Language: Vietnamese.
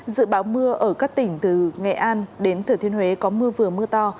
dự báo mưa ở các tỉnh từ nghệ an đến thừa thiên huế có mưa vừa mưa to